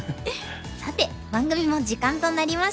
さて番組も時間となりました。